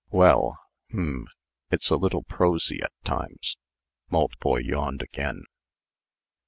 "Well hum it's a little prosy at times." Maltboy yawned again.